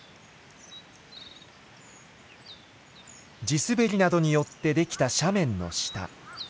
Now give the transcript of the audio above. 地滑りなどによってできた斜面の下。